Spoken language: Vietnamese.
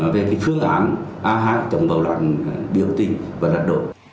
về phương án a hai chống bầu đoạn biểu tình và đạt đổi